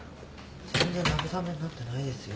全然慰めになってないですよ。